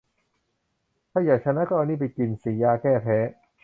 ถ้าอยากชนะก็เอานี่ไปกินสิ "ยาแก้แพ้"